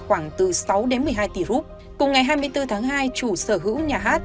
khoảng từ sáu đến một mươi hai tỷ rup cùng ngày hai mươi bốn tháng hai chủ sở hữu nhà hát